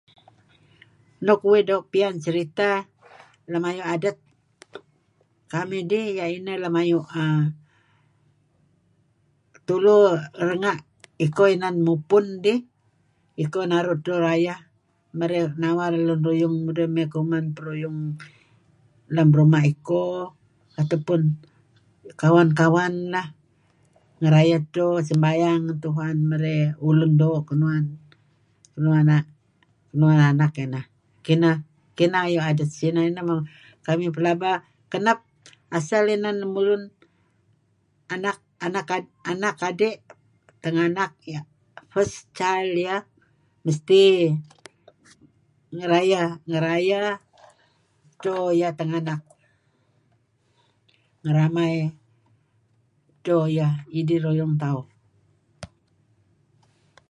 Luk uih doo' piyan ceritah lem ayu' adet kamih dih iyeh ineh lem ayu' err tulu renga' iko inan mupun dih iko naru' edtah dto rayeh nawar lun ruyung mudih mey kuman peruyung lem ruma' iko atau pun kawan-kawan lah ngerayeh edto sembayang ngan Tuhan merey ulun doo' kenuan kenuan kenuan anak ineh. Kinah ayu' adet sineh, inah men kamih pelaba kenep asal inan lemulun anak anak anak adi' tenganak iyeh first child iyeh mesti ngerayeh ngerayeh dto iyeh tenganak, ngeramai dto iyeh idih ruyung tauh.